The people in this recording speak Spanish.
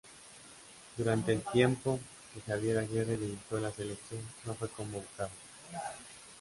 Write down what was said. Durante el tiempo que Javier Aguirre dirigió la selección no fue convocado.